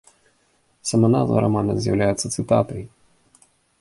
Сама назва рамана з'яўляецца цытатай.